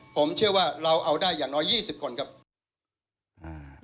ผมเชื่อว่าเราเอาได้อย่างน้อยยี่สิบคนครับ